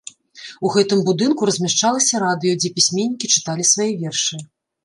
У гэтым будынку размяшчалася радыё, дзе пісьменнікі чыталі свае вершы.